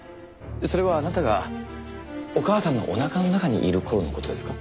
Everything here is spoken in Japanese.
それはあなたがお母さんのおなかの中にいる頃の事ですか？